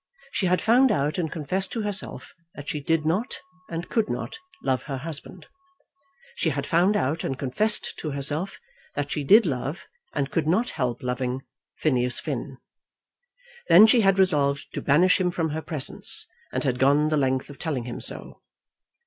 She had found out and confessed to herself that she did not, and could not, love her husband. She had found out and confessed to herself that she did love, and could not help loving, Phineas Finn. Then she had resolved to banish him from her presence, and had gone the length of telling him so.